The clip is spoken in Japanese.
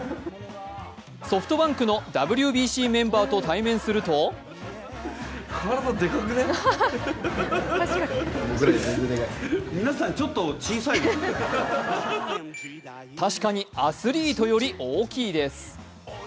ソフトバンクのＷＢＣメンバーと対面すると確かにアスリートより大きいです。